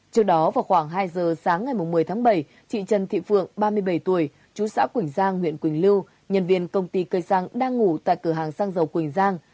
trước đó vào khoảng hai giờ sáng ngày một mươi tháng bảy chị trần thị phượng ba mươi bảy tuổi chú xã quỳnh giang huyện quỳnh lưu nhân viên công ty cây giang đang ngủ tại cửa hàng xăng dầu quỳnh giang